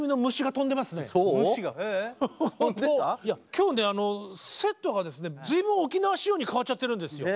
今日ねセットがですね随分沖縄仕様に変っちゃってるんですよ。